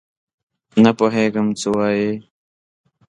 نه پوهېږم څه وایې ؟؟